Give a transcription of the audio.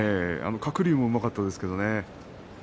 鶴竜もうまかったんですけどね。